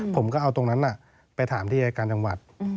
ผมก็เอาตรงนั้นไปถามที่อายการจังหวัด